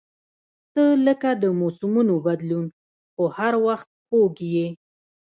• ته لکه د موسمونو بدلون، خو هر وخت خوږ یې.